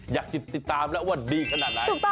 อยากจะติดตามแล้วว่าดีขนาดไหน